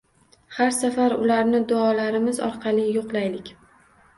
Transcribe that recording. Har safar ularni duolarimiz orqali yo‘qlaylak.